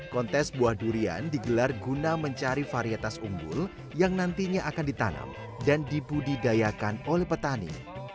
kontes buah durian digelar guna mencari varietas umbul yang nantinya akan ditanam dan dibudidayakan oleh petani